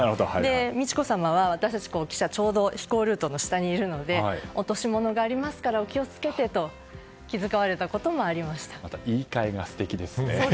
美智子さまは、私たち記者が飛行ルートの下にいますので落し物がありますからお気をつけてとまた言い換えが素敵ですね。